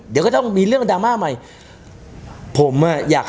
เดี๋ยวก็ต้องมีเรื่องดราม่าใหม่